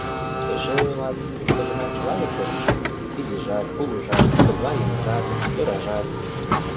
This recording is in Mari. Эше ойлат, тушто гына чылан иктӧр лийыт: изижат, кугужат, тыглай еҥжат, тӧражат.